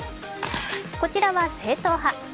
こちらは正統派。